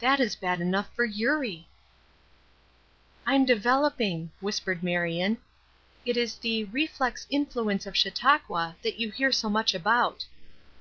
That is bad enough for Eurie!" "I'm developing," whispered Marion. "It is the 'reflex influence of Chautauqua' that you hear so much about."